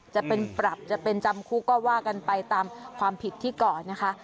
จะเป็นปรับจะเป็นจำคุกก็ว่ากันไปตามความผิดที่ก่อนนะคะ